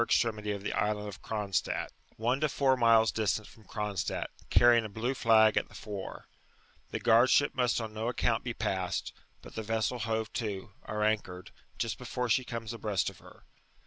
1)2 m OBSEBVATIONS ON THE NAVIGATI<?N, &c. &c one to four miles distant from Cronstadt, carrying a blue flag at tlie fore. The goRrd ship must on no account be* passed, but the ressel hoYe*to» or anchored, just neibre she comes abreast of her.